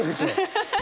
アハハハ！